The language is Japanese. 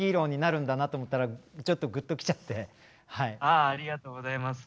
ありがとうございます。